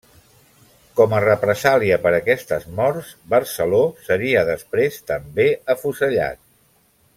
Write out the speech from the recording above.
Com a represàlia per aquestes morts, Barceló seria després també afusellat.